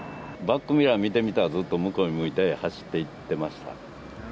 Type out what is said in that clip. バックミラー見てみたら、ずっと向こうに向いて走っていってました。